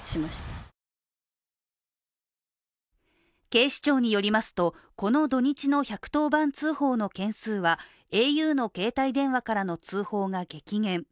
警視庁によりますとこの土日の１１０番通報の件数は、ａｕの携帯電話からの通報が激減。